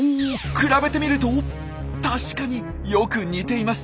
比べてみると確かによく似ています。